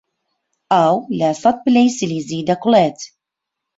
ئاو لە سەد پلەی سیلیزی دەکوڵێت.